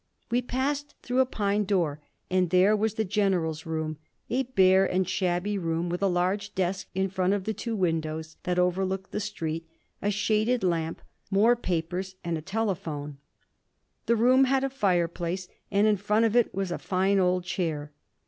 We passed through a pine door, and there was the general's room a bare and shabby room, with a large desk in front of the two windows that overlooked the street, a shaded lamp, more papers and a telephone. The room had a fireplace, and in front of it was a fine old chair.